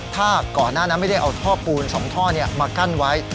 ถ้าก่อนหน้านั้นไม่ได้เอาท่อปูน๒ท่อมากั้นไว้